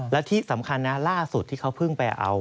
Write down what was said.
และที่สำคัญนะล่าสุดที่เขาเพิ่งไปเอา